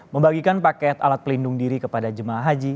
membagikan paket alat pelindung diri kepada jemaah haji